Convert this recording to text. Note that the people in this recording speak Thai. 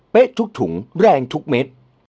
ทุกถุงแรงทุกเม็ด